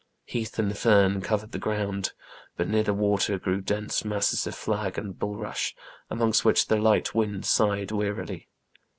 Heath and fern covered the ground, but near the water grew dense masses of flag and bul. rush, amongst which the light wind sighed wearily.